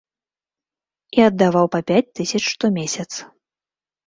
І аддаваў па пяць тысяч штомесяц.